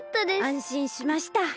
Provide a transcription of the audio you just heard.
あんしんしました。